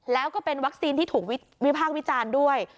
แล้วก็เป็นวัคซีนที่ถูกวิพากษ์วิจารณ์ด้วย